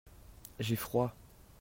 J'ai froid.